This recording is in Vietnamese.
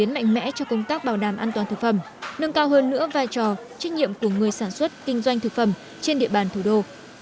mạnh mẽ cho công tác bảo đảm an toàn thực phẩm nâng cao hơn nữa vai trò trách nhiệm của người sản xuất kinh doanh thực phẩm trên địa bàn thủ đô